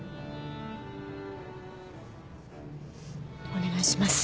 お願いします。